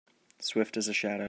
Swift as a shadow